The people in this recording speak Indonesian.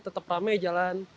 tetap rame jalan